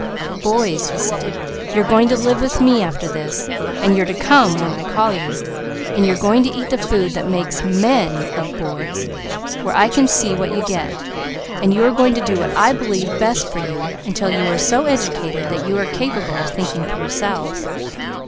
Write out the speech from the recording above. "Boys," he said, "you're going to live with me after this, so you're to come when I call you. You're going to eat the food that makes men of boys, where I can see what you get. You are going to do what I believe best for you, until you are so educated that you are capable of thinking for yourselves.